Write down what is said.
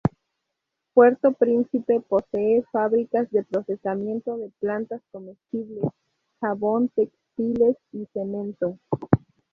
Puerto Príncipe posee fábricas de procesamiento de plantas comestibles, jabón, textiles, y cemento.